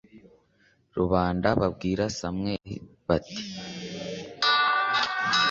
rubanda babwira samweli, bati